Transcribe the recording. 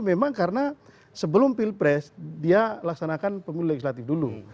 memang karena sebelum pilpres dia laksanakan pemilu legislatif dulu